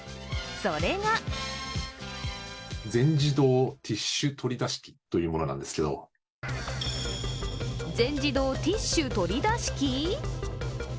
それが全自動ティッシュ取り出し機？